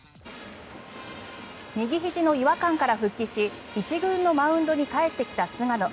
右ひじの違和感から復帰し１軍のマウンドに帰ってきた菅野。